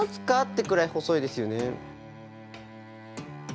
ってくらい細いですよね。